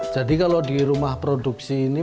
jadi kalau di rumah produksi ini